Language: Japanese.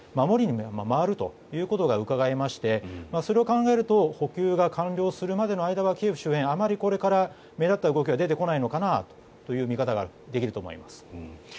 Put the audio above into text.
守りに回ることがうかがえましてそれを考えると補給が完了するまでの間はキエフ周辺あまりこれから目立った動きは出てこないのかなという見方ができると思います。